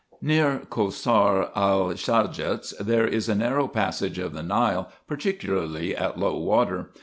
Near Cossar el Sajats there is a narrow passage of the Nile, particularly at low water.